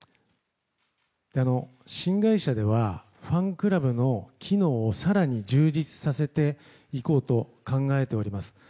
新会社では、ファンクラブの機能を更に充実させていこうと考えております。